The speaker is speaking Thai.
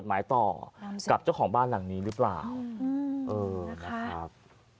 สุดทนแล้วกับเพื่อนบ้านรายนี้ที่อยู่ข้างกัน